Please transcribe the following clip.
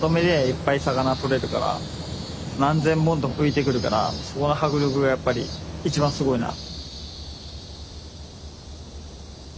いっぱい魚取れるから何千本と浮いてくるからそこの迫力がやっぱり一番すごいな。